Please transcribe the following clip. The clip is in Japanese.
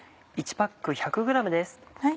１パック１００ｇです。